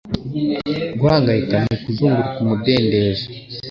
Guhangayika ni ukuzunguruka umudendezo.”